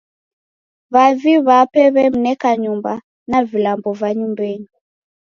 W'avi w'ape w'emneka nyumba na vilambo va nyumbenyi.